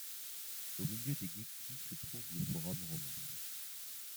Au milieu de Gigthis se trouve le forum romain.